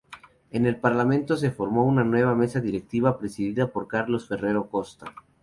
En el parlamento se formó una nueva mesa directiva presidida por Carlos Ferrero Costa.